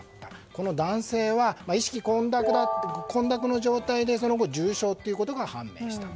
この男性は意識混濁の状態でその後、重傷ということが判明した。